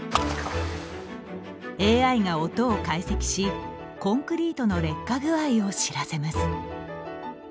ＡＩが音を解析しコンクリートの劣化具合を知らせます。